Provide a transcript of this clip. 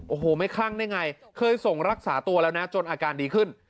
โอ้โหไม่คลั่งได้ไงเคยส่งรักษาตัวแล้วนะจนอาการดีขึ้น